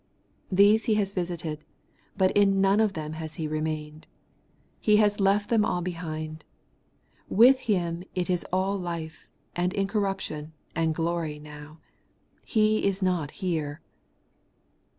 These He has visited, but in none of them has He remained. He has left them all behind. With Him it is aU life, and incorruption, and glory now. He is not here